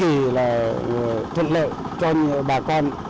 thì là thuận lợi cho bà con